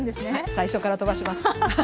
はい最初から飛ばします。